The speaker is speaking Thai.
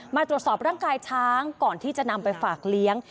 มาตรวจสอบร่างกายช้างก่อนที่จะนำไปฝากเลี้ยง